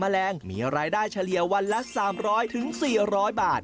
แมลงมีรายได้เฉลี่ยวันละ๓๐๐๔๐๐บาท